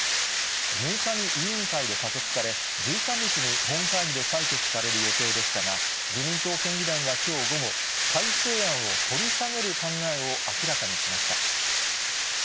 ６日に委員会で可決され、１３日に本会議で採決される予定でしたが、自民党県議団はきょう午後、改正案を取り下げる考えを明らかにしました。